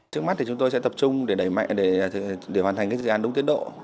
trước mắt chúng tôi sẽ tập trung để đẩy mạnh để hoàn thành dự án đúng tiến độ